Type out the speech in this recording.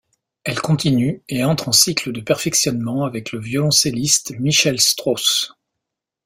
Elle continue et entre en cycle de perfectionnement avec le violloncelliste Michel Strauss.